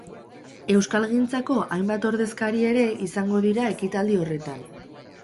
Euskalgintzako hainbat ordezkari ere izango dira ekitaldi horretan.